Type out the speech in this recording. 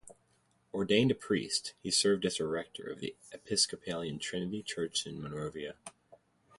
Ordained a priest, he served as rector of the Episcopalian Trinity Church in Monrovia.